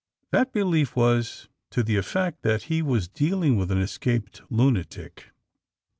That be lief was to the effect that he was dealing with an escaped lunatic.